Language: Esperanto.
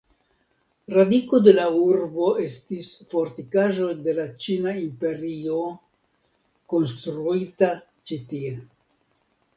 Radiko de la urbo estis fortikaĵo de la Ĉina Imperio, konstruita ĉi-tie.